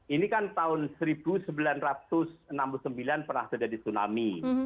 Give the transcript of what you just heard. ini kan tahun seribu sembilan ratus enam puluh sembilan pernah terjadi tsunami